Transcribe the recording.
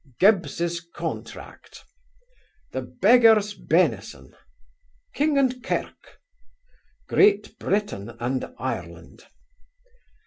'Gibbs' contract.' 'The beggar's benison,' 'King and kirk.' 'Great Britain and Ireland.